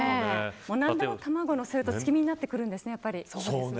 何でも卵を乗せると月見になってくるんですね。